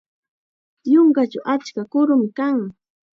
Yunkachaw achka kurum kan.